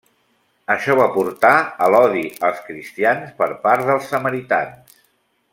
Això va portar a l'odi als cristians per part dels samaritans.